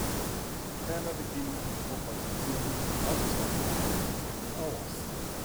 Ferner beginnt die Bocholter Kirmes traditionell mit Happy Hours.